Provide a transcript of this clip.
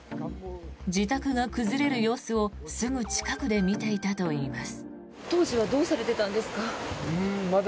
自宅が崩れる様子をすぐ近くで見ていたといいます。